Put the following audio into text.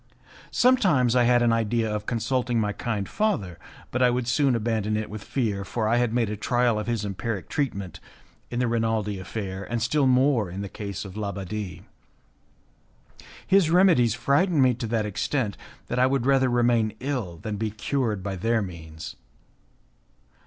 Sometimes I had an idea of consulting my kind father, but I would soon abandon it with fear, for I had made a trial of his empiric treatment in the Rinaldi affair, and still more in the case of l'Abbadie. His remedies frightened me to that extent that I would rather remain ill than be cured by their means.